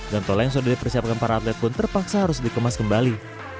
gantole yang sudah dipersiapkan para atlet pun terpaksa harus dikemas kembali